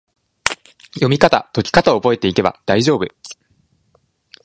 読みかた・解きかたを覚えていけば大丈夫！